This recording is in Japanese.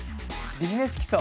「ビジネス基礎」